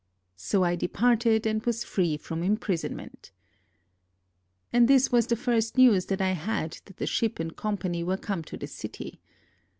So I departed and was free from imprisonment. And this was the first news that I had that the ship and company were come to the city.